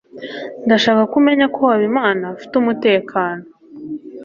Ndashaka ko umenya ko Habimana afite umutekano.